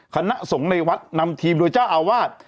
คณะสงฆ์ในวัดนำทีมโดยเจ้าอาวาส